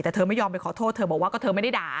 แต่เธอไม่ยอมไปขอโทษเธอบอกว่าก็เธอไม่ได้ด่า